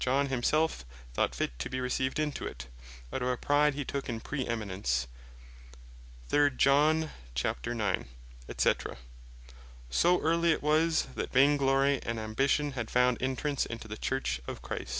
John himself thought fit to be received into it, out of a pride he took in Praeeminence; so early it was, that Vainglory, and Ambition had found entrance into the Church of Christ.